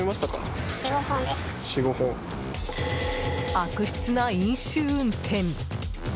悪質な飲酒運転！